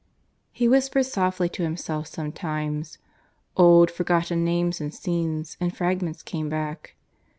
He whispered softly to himself sometimes; old forgotten names and scenes and fragments came back.